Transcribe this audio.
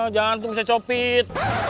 jangan tuh bisa copit